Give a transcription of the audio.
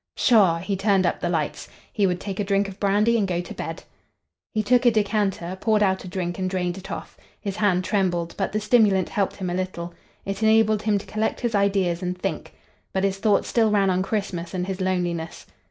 "Pshaw!" He turned up the lights. He would take a drink of brandy and go to bed. He took a decanter, poured out a drink and drained it off. His hand trembled, but the stimulant helped him a little. It enabled him to collect his ideas and think. But his thoughts still ran on Christmas and his loneliness.